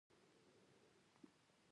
غریب د ټولنې زخم دی